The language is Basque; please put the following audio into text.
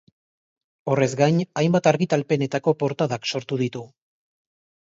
Horrez gain, hainbat argitalpenetako portadak sortu ditu.